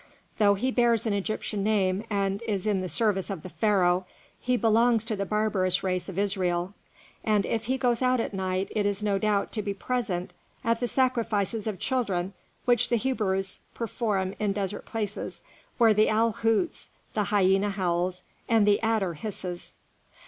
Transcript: Though he bears an Egyptian name and is in the service of the Pharaoh, he belongs to the barbarous race of Israel, and if he goes out at night, it is no doubt to be present at the sacrifices of children which the Hebrews perform in desert places, where the owl hoots, the hyena howls, and the adder hisses."